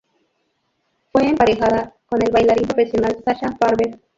Fue emparejada con el bailarín profesional Sasha Farber.